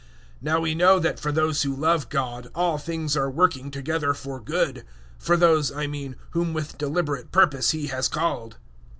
008:028 Now we know that for those who love God all things are working together for good for those, I mean, whom with deliberate purpose He has called.